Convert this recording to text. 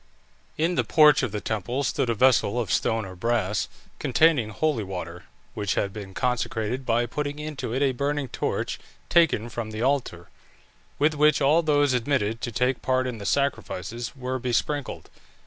In the porch of the temple stood a vessel of stone or brass, containing holy water (which had been consecrated by putting into it a burning torch, taken from the altar), with which all those admitted to take part in the sacrifices were besprinkled.